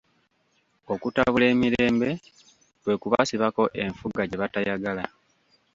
Okutabula emirembe kwe kubasibako enfuga gye batayagala.